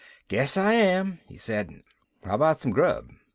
"Guess I am," he said. "How about some grub?"